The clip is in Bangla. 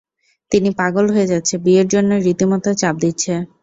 তিনি পাগল হয়ে যাচ্ছে, বিয়ের জন্য রীতি মতো চাপ দিচ্ছে।